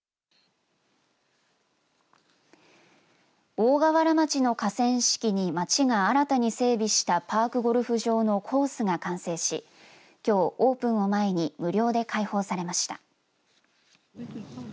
大川原町の河川敷に町が新たに整備したパークゴルフ場のコースが完成しきょうオープンを前に無料で開放されました。